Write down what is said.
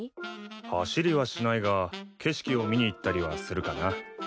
走りはしないが景色を見に行ったりはするかな。